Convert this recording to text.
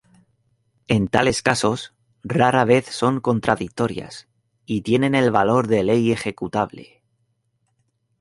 En tales casos, rara vez son contradictorias, y tienen el valor de ley ejecutable.